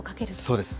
そうです。